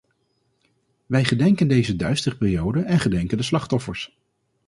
Wij gedenken deze duistere periode en gedenken de slachtoffers.